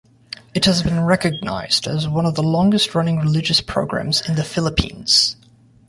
It has been recognized as one of the longest-running religious programs in the Philippines.